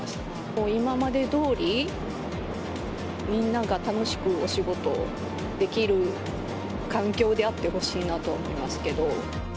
もう今までどおり、みんなが楽しくお仕事できる環境であってほしいなと思いますけど。